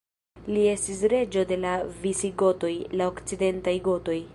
Li estis reĝo de la visigotoj, la okcidentaj gotoj.